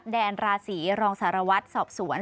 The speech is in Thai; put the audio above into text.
แดนราศีรองสารวัตรสอบสวน